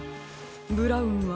ブラウンは？